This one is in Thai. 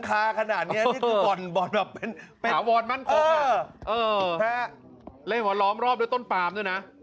เขาล้อมรอบโดยต้นปาง